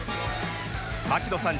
槙野さん